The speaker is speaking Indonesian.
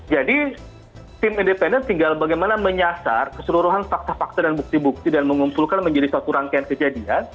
jadi tim independen tinggal bagaimana menyasar keseluruhan fakta fakta dan bukti bukti dan mengumpulkan menjadi satu rangkaian kejadian